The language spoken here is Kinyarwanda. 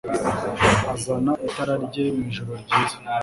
Azana itara rye mwijoro ryiza